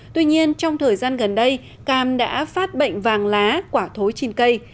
tuy nhiên trong thời gian gần đây cam đã phát bệnh vàng lá quả thối trên cây